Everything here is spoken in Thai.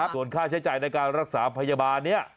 ส่วนค่าใช้จ่ายในการรักษาพยาบาลนี้